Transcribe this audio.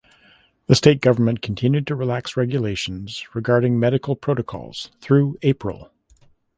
The state government continued to relax regulations regarding medical protocols through April.